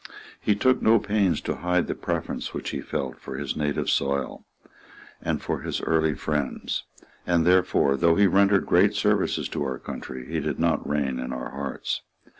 He took no pains to hide the preference which he felt for his native soil and for his early friends; and therefore, though he rendered great services to our country, he did not reign in our hearts.